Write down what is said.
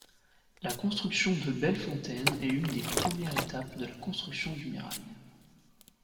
La construction de Bellefontaine est une des premières étapes de la construction du Mirail.